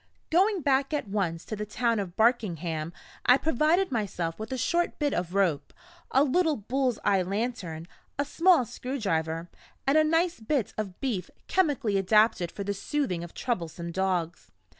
Going back at once to the town of Barkingham, I provided myself with a short bit of rope, a little bull's eye lantern, a small screwdriver, and a nice bit of beef chemically adapted for the soothing of troublesome dogs.